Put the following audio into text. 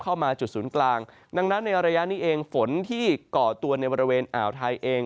เข้ามาจุดศูนย์กลางดังนั้นในระยะนี้เองฝนที่ก่อตัวในบริเวณอ่าวไทยเอง